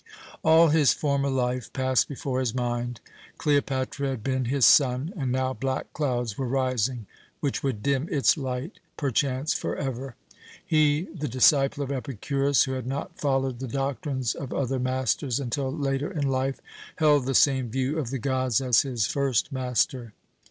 All his former life passed before his mind. Cleopatra had been his sun, and now black clouds were rising which would dim its light, perchance forever. He, the disciple of Epicurus, who had not followed the doctrines of other masters until later in life, held the same view of the gods as his first master.